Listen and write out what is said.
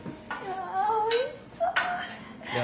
うわおいしそう。